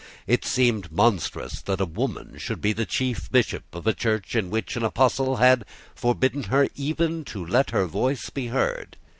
It seemed monstrous that a woman should be the chief bishop of a Church in which an apostle had forbidden her even to let her voice be heard.